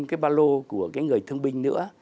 cái ba lô của cái người thương binh nữa